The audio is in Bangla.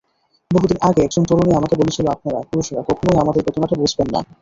বহুদিন আগে একজন তরুণী আমাকে বলেছিলেন, আপনারা, পুরুষেরা কখনোই আমাদের বেদনাটা বুঝবেন না।